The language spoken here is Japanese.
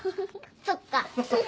そっか。